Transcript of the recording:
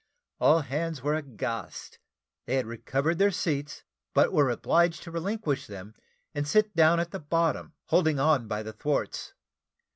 All hands were aghast; they had recovered their seats, but were obliged to relinquish them, and sit down at the bottom, holding on by the thwarts.